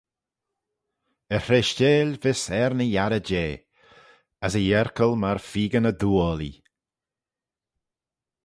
E hreishteil vees er ny yiarey jeh, as e yerkal myr feegan y doo-oallee.